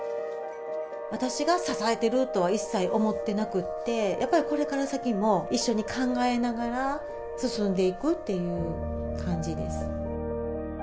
私が支えてるとは一切思っていなくって、やっぱりこれから先も一緒に考えながら、進んでいくっていう感じです。